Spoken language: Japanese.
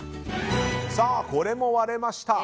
これも割れました。